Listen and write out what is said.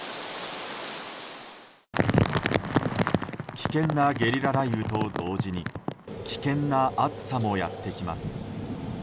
危険なゲリラ雷雨と同時に危険な暑さもやってきます。